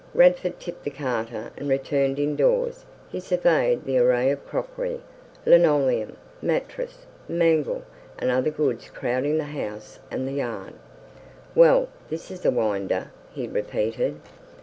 Radford tipped the carter, and returned indoors. He surveyed the array of crockery, linoleum, mattress, mangle, and other goods crowding the house and the yard. "Well, this is a winder!" he repeated.